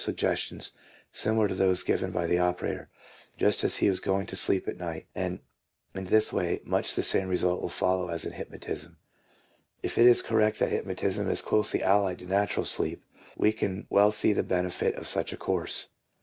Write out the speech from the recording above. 1 The patient should give himself suggestions similar to those given by the operator, just as he is going to sleep at night, and in this way much the same result will follow as in hypnotism. If it is correct that hypnotism is closely allied to natural sleep, we can well see the benefit of such a course.